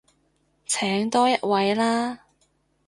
請多一位啦